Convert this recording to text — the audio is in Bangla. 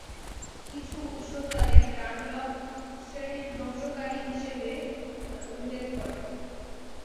কিছু উৎস তাদের ডানলপ শ্রেণীর ধ্বংসকারী হিসাবে উল্লেখ করে।